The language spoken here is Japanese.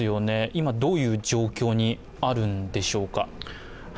今、どういう状況にあるんでしょうか？